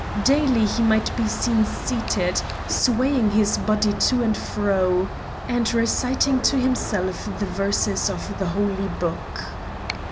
Daily he might be seen seated, swaying his body to and fro, and reciting to himself the verses of the Holy Book.